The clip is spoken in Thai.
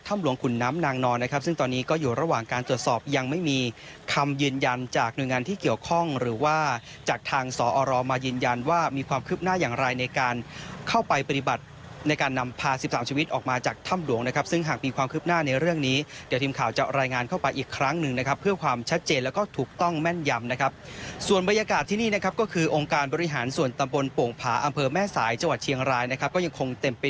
ถ้ำหลวงขุนน้ำนางนอนนะครับซึ่งตอนนี้ก็อยู่ระหว่างการตรวจสอบยังไม่มีคำยืนยันจากหน่วยงานที่เกี่ยวข้องหรือว่าจากทางสออรอมายืนยันว่ามีความคืบหน้าอย่างไรในการเข้าไปปฏิบัติในการนำพาสิบสามชีวิตออกมาจากถ้ำหลวงนะครับซึ่งหากมีความคืบหน้าในเรื่องนี้เดี๋ยวทีมข่าวจะรายงานเข้าไปอ